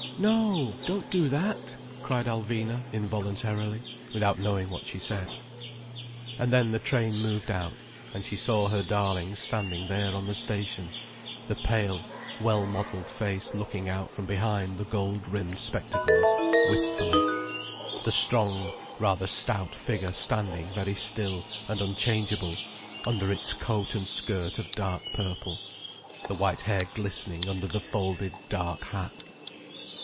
"No, don't do that!" cried Alvina involuntarily, without knowing what she said. And then the train moved out, and she saw her darling standing there on the station, the pale, well modelled face looking out from behind the gold rimmed spectacles, wistfully, the strong, rather stout figure standing very still and unchangeable, under its coat and skirt of dark purple, the white hair glistening under the folded dark hat.